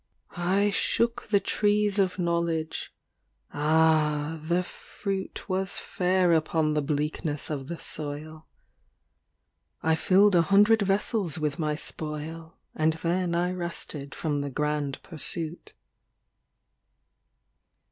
ŌĆØ 44 THE DIWAN OF ABUŌĆÖL ALA XLIX I shook the trees of knowledge. Ah ! the fruit Was fair upon the bleakness of the soil. I filled a hundred vessels with my spoil, And then I rested from tho grand pursuit.